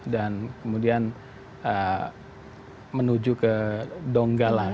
dan kemudian menuju ke donggala